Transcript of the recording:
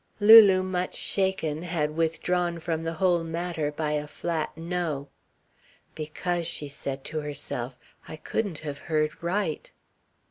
Lulu, much shaken, had withdrawn from the whole matter by a flat "no." "Because," she said to herself, "I couldn't have heard right."